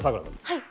はい。